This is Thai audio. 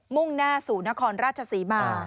่งหน้าสู่นครราชศรีมา